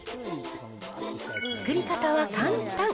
作り方は簡単。